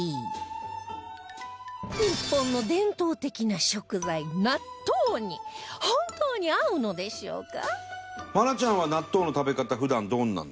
日本の伝統的な食材納豆に本当に合うのでしょうか？